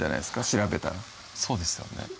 調べたらそうですよね